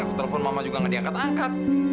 aku telepon mama juga gak diangkat angkat